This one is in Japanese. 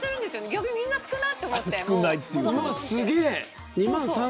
逆にみんな少ないと思って。